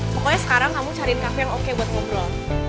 pokoknya sekarang kamu cariin cafe yang oke buat ngobrol